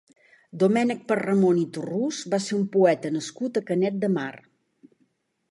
Domènec Perramon i Torrús va ser un poeta nascut a Canet de Mar.